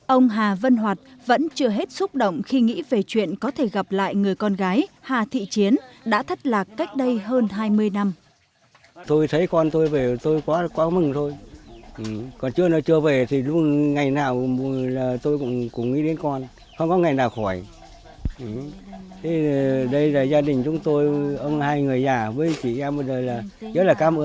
ông hà vân hoạt vẫn chưa hết xúc động khi nghĩ về chuyện có thể gặp lại người con gái hà thị chiến đã thất lạc cách đây hơn hai mươi năm